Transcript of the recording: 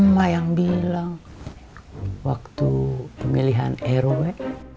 mak yang bilang waktu pemilihan erowe